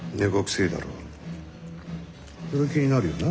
そりゃ気になるよな。